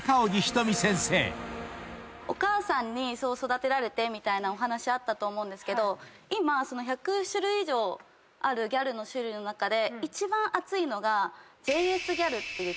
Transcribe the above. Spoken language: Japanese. お母さんにそう育てられてみたいな話あったと思いますが今１００種類以上あるギャルの種類の中で。